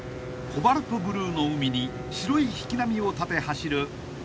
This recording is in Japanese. ［コバルトブルーの海に白い引き波をたて走る